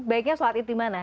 baiknya sholat itu dimana